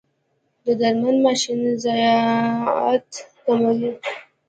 د درمند ماشین ضایعات کموي؟